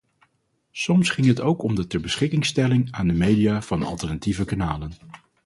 Soms ging het ook om de terbeschikkingstelling aan de media van alternatieve kanalen.